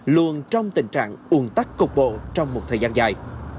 luôn trong tình trạng un tắc cục bộ trong một thời gian dài